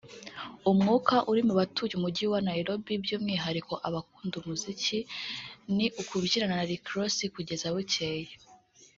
umwuka uri mu batuye Umujyi wa Nairobi by’umwihariko abakunda umuziki ni ukubyinana na Rick Ross kugeza bucyeye